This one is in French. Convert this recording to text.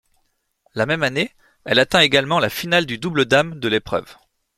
La même année, elle atteint également la finale du double dames de l'épreuve.